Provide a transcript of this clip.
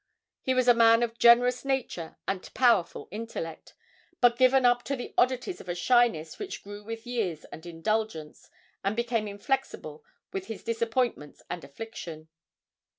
He was a man of generous nature and powerful intellect, but given up to the oddities of a shyness which grew with years and indulgence, and became inflexible with his disappointments and affliction.